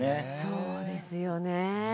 そうですよねえ。